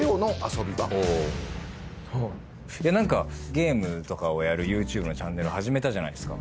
ゲームとかをやるＹｏｕＴｕｂｅのチャンネル始めたじゃないですか。